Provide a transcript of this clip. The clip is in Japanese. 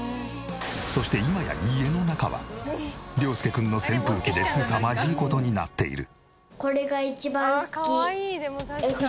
そして今や家の中は涼介君の扇風機ですさまじい事になっている。